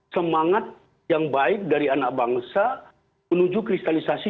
semangat yang baik dari anak bangsa menuju kristalisasi dua ribu dua puluh empat